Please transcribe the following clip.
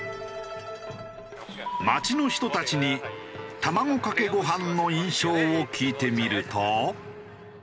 街の人たちに卵かけご飯の印象を聞いてみると。